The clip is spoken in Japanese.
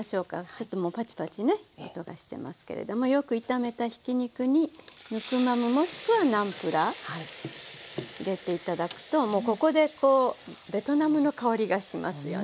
ちょっともうパチパチね音がしてますけれどもよく炒めたひき肉にヌクマムもしくはナムプラー入れて頂くともうここでベトナムの香りがしますよね。